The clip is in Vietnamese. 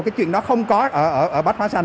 cái chuyện đó không có ở bách hóa xanh